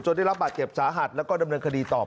ได้รับบาดเจ็บสาหัสแล้วก็ดำเนินคดีตอบ